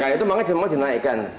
karena itu memang jenayekan